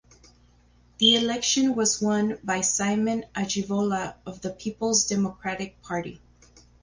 The election was won by Simon Ajibola of the Peoples Democratic Party.